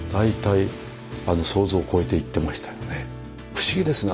不思議ですね。